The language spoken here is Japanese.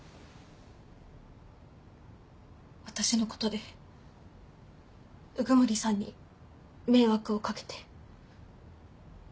私のことで鵜久森さんに迷惑をかけて。